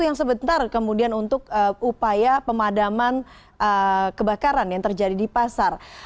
yang sebentar kemudian untuk upaya pemadaman kebakaran yang terjadi di pasar